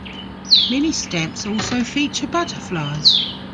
Many stamps also feature butterflies.